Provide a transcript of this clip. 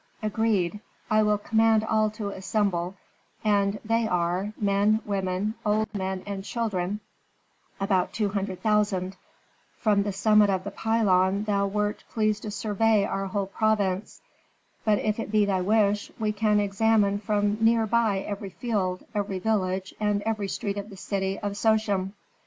Agreed. I will command all to assemble, and they are, men, women, old men, and children, about two hundred thousand. From the summit of the pylon thou wert pleased to survey our whole province. But if it be thy wish, we can examine from near by every field, every village, and every street of the city of Sochem.